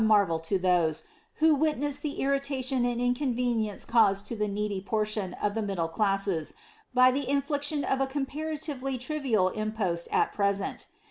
137 ippnr • mtrvel to those, who witneu the irritation and inconvenience CMJsed to the needy portion of the middle classes, by the infliction of a cooDparatirely trivial impost at present.